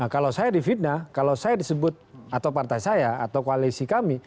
kalau saya difitnah kalau saya disebut atau partai saya atau koalisi kami